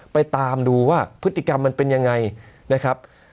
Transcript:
ไปตามดูว่าพฤติกรรมมันเป็นยังไงนะครับ